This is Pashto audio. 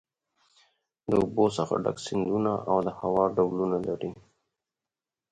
د اوبو څخه ډک سیندونه او د هوا ډولونه لري.